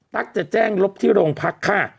จะแจ้งลบที่โรงพักค่ะ